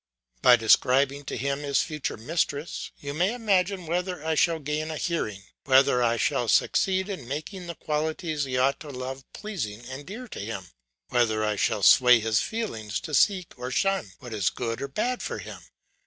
By describing to him his future mistress, you may imagine whether I shall gain a hearing, whether I shall succeed in making the qualities he ought to love pleasing and dear to him, whether I shall sway his feelings to seek or shun what is good or bad for him.